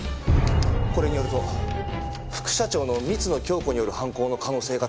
これによると副社長の光野響子による犯行の可能性が高いと書かれています。